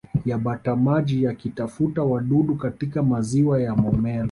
ya batamaji yakitafuta wadudu katika maziwa ya Momella